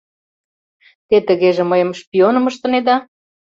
— Те тыгеже мыйым шпионым ыштынеда?